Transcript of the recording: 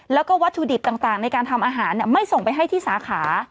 แล้วก็วัตถุดิบต่างในการทำอาหารไม่ส่งไปให้ที่สาขา